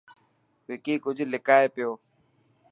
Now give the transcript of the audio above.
وڪي ڪجهه لڪائي پيو.